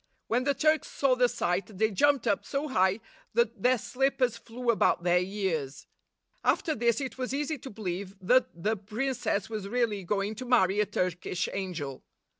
When the Turks saw the sight they jumped up so high that their slippers flew about their ears. After this it was easy to believe that the princess was really going to marry a Turkish angel.